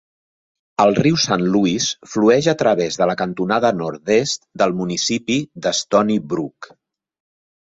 El riu Saint Louis flueix a través de la cantonada nord-est del municipi de Stoney Brook.